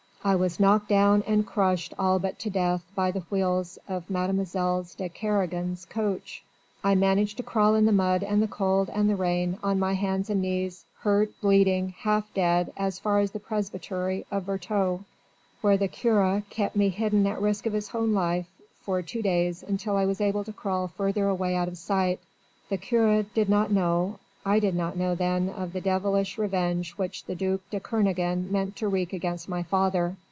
I was knocked down and crushed all but to death by the wheels of Mlle. de Kernogan's coach. I managed to crawl in the mud and the cold and the rain, on my hands and knees, hurt, bleeding, half dead, as far as the presbytery of Vertou where the curé kept me hidden at risk of his own life for two days until I was able to crawl farther away out of sight. The curé did not know, I did not know then of the devilish revenge which the duc de Kernogan meant to wreak against my father.